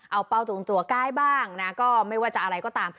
เอาเป้าตรงตัวใกล้บ้างนะก็ไม่ว่าจะอะไรก็ตาม